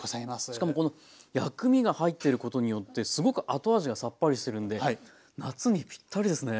しかもこの薬味が入ってることによってすごく後味がさっぱりしてるんで夏にぴったりですね。